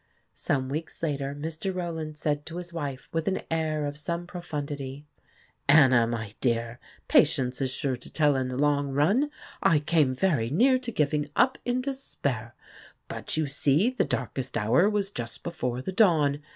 Some weeks later Mr. Rowland said to his wife, with an air of some profundity :" Anna, my dear, patience is sure to tell in the long run ! I came very near to giving up in despair; but, you see the darkest hour was just before the dawn.